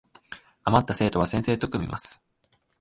あまった生徒は先生と組みます